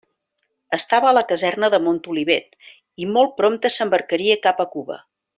Estava a la caserna de Montolivet, i molt prompte s'embarcaria cap a Cuba.